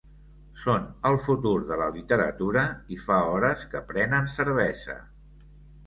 Són el futur de la literatura i fa hores que prenen cervesa.